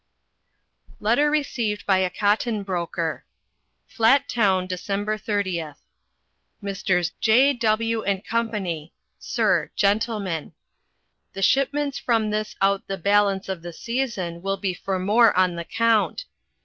Letter received by a cotton broker: "Flat Town Dec. 30th "Messrs. "J W & Co "Sir. Gentlemen. "The shipments from this out the balance of the season will be for more on the count.